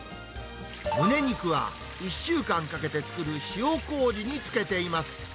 むね肉は１週間かけて作る塩こうじに漬けています。